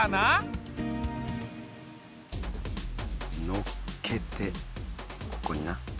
のっけてここにな。